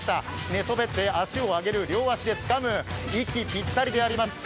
寝そべって足を上げる息ぴったりであります。